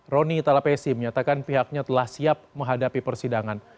roni talapesi menyatakan pihaknya telah siap menghadapi persidangan